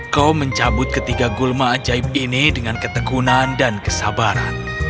kau mencabut ketiga gulma ajaib ini dengan ketekunan dan kesabaran